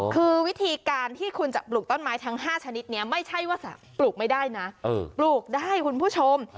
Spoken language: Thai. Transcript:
คือวิธีการที่คุณจะปลูกต้นไม้ทั้ง๕ชนิดนี้ไม่ใช่ว่าปลูกไม่ได้นะปลูกได้คุณผู้ชม